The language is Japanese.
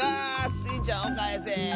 スイちゃんをかえせ。